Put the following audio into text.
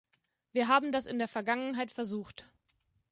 Wir haben das in der Vergangenheit versucht.